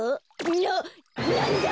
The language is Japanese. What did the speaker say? ななんだ！？